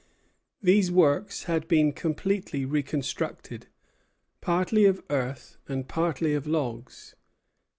These works had been completely reconstructed, partly of earth, and partly of logs.